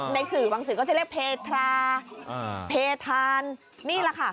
ในสื่อบางสื่อก็จะเรียกเพทราเพธานนี่แหละค่ะ